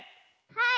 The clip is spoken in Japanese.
はい！